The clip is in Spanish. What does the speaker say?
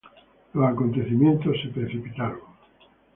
Los acontecimientos se precipitan.